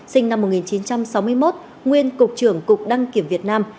sinh năm một nghìn chín trăm sáu mươi một nguyên cục trưởng cục đăng kiểm việt nam